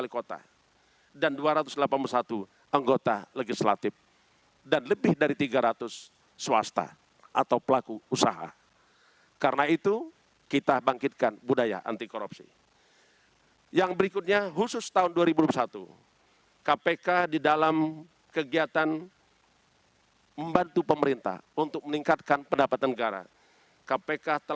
kepada ketua kpk firly bahuri kpk berhasil menangani satu dua ratus sembilan puluh satu kasus korupsi